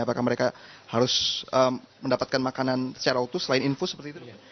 apakah mereka harus mendapatkan makanan secara utuh selain infus seperti itu